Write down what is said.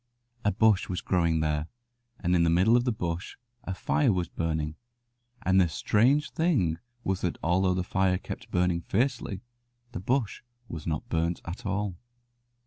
A bush was growing there, and in the middle of the bush a fire was burning, and the strange thing was that although the fire kept on burning fiercely the bush was not burnt at all.